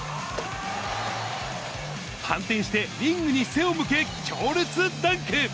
反転してリングに背を向け強烈ダンク。